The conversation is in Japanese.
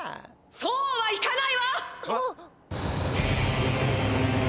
「そうはいかないわ！」。